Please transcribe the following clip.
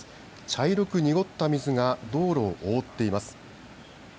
茶色く濁った水が道路を覆っています。